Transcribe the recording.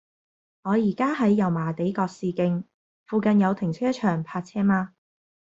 我依家喺油麻地覺士徑，附近有停車場泊車嗎